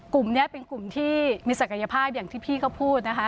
กลุ่มนี้เป็นกลุ่มที่มีศักยภาพอย่างที่พี่เขาพูดนะคะ